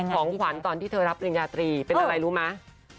ของขวัญตอนที่เธอรับปริญญาตรีเป็นอะไรรู้ไหม